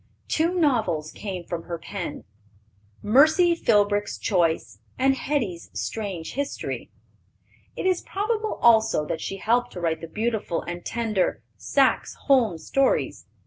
Two novels came from her pen, Mercy Philbrick's Choice and Hetty's Strange History. It is probable also that she helped to write the beautiful and tender Saxe Holm Stories.